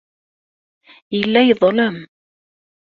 Yella yeḍlem.